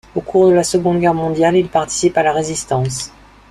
Au cours de la Seconde Guerre mondiale, il participe à la Résistance.